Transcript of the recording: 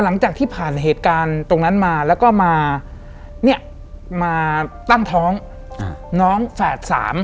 หลังจากที่ผ่านเหตุการณ์ตรงนั้นมาแล้วก็มาเนี่ยมาตั้งท้องน้องแฝดสาม